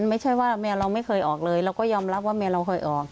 ไม่ใช่ว่าแมวเราไม่เคยออกเลยเราก็ยอมรับว่าเมียเราเคยออก